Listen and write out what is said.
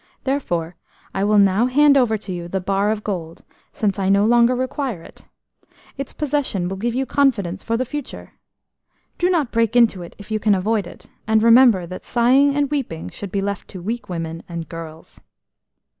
Therefore, I will now hand over to you the bar of gold, since I no longer require it. Its possession will give you confidence for the future. Do not break into it if you can avoid it, and remember that sighing and weeping should be left to weak women and girls."